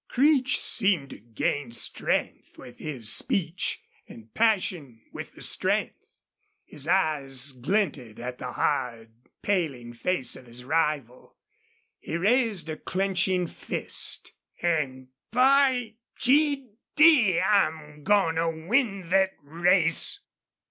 Creech seemed to gain strength with his speech and passion with the strength. His eyes glinted at the hard, paling face of his rival. He raised a clenching fist. "An' by G d, I'm goin' to win thet race!"